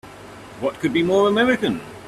What could be more American!